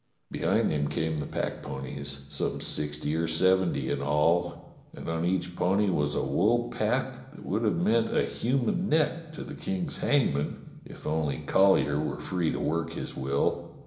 Behind him came the packponies, some sixty or seventy in all, and on each pony was a wool pack that would have meant a human neck to the King's hangman if only Colly er were free to work his will.